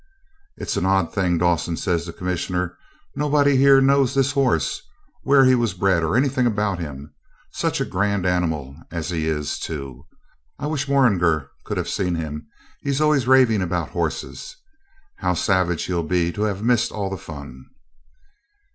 'It's an odd thing, Dawson,' says the Commissioner, 'nobody here knows this horse, where he was bred, or anything about him. Such a grand animal as he is, too! I wish Morringer could have seen him; he's always raving about horses. How savage he'll be to have missed all the fun!'